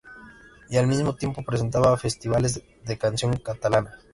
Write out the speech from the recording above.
Y al mismo tiempo presentaba festivales de canción catalana.